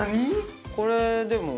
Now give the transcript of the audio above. これでも。